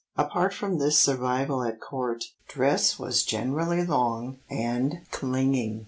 Apart from this survival at Court, dress was generally long and clinging.